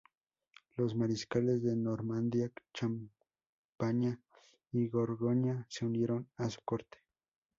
Los mariscales de Normandía, Champaña y Borgoña se unieron a su corte.